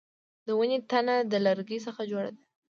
د ونې تنه د لرګي څخه جوړه ده